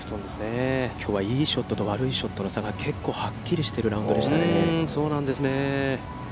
きょうはいいショットと悪いショットの差がはっきりしているラウンドでしたね。